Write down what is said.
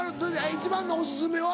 一番のお薦めは？